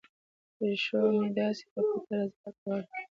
پیشو مې داسې په پټه راځي لکه غل.